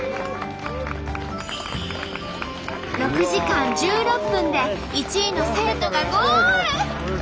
６時間１６分で１位の生徒がゴール！